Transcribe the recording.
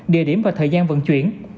địa điểm và thời gian vận chuyển